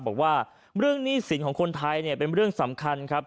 บอกว่าเรื่องหนี้สินของคนไทยเนี่ยเป็นเรื่องสำคัญครับ